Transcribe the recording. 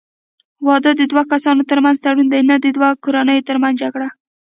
واده د دوه کسانو ترمنځ تړون دی، نه د دوو کورنیو ترمنځ جګړه.